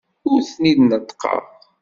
Ur ten-id-neṭṭqeɣ.